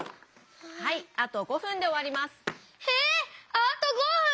あと５ふん！？